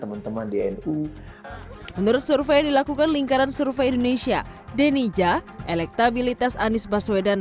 mbak yeni menurut survei yang dilakukan lingkaran survei indonesia denija elektabilitas anies baswedan